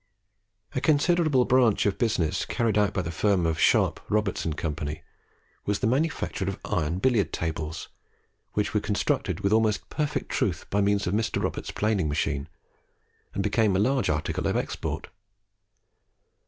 A considerable branch of business carried on by the firm of Sharp, Roberts, and Co. was the manufacture of iron billiard tables, which were constructed with almost perfect truth by means of Mr. Roberts's planing machine, and became a large article of export.